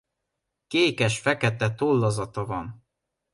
Kékesfekete tollazata van.